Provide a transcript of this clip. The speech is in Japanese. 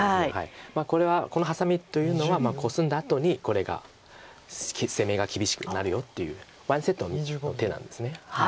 これはこのハサミというのはコスんだあとにこれが攻めが厳しくなるよっていうワンセットの手なんです。